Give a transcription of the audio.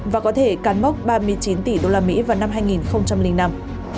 và có thể cán mốc ba mươi chín tỷ usd vào năm hai nghìn năm